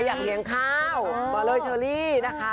แกอยากเหมียงข้าวมาเลยเชอร์รีนะคะ